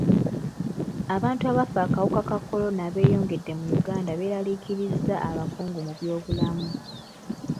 Abantu abafa akawuka ka kolona abeeyongedde mu Uganda beeraliikiriza abakungu mu byobulamu.